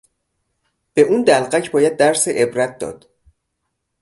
به اون دلقک باید درس عبرت داد.